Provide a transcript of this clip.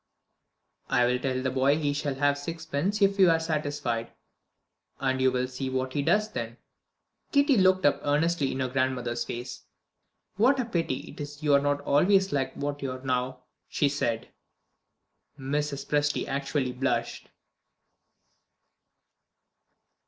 "I'll tell the boy he shall have sixpence if you are satisfied; and you will see what he does then." Kitty looked up earnestly in her grandmother's face. "What a pity it is you are not always like what you are now!" she said. Mrs. Presty actually blushed.